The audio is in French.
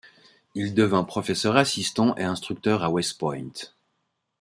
Il devient professeur assistant et instructeur à West Point.